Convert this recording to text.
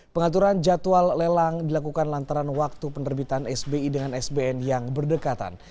pengaturan jadwal lelang dilakukan lantaran waktu penerbitan sbi dengan sbn yang berdekatan